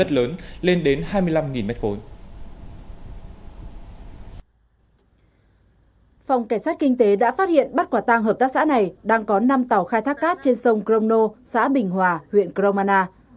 hợp tác xã này đang có năm tàu khai thác cát trên sông cromno xã bình hòa huyện cromana